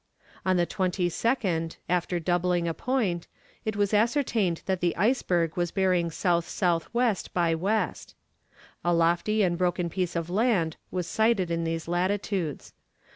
On the 22nd, after doubling a point, it was ascertained that the iceberg was bearing S.S.W. by W. A lofty and broken piece of land was sighted in these latitudes.